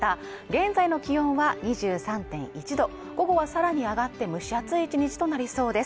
現在の気温は２３．１度午後はさらに上がって蒸し暑い１日となりそうです。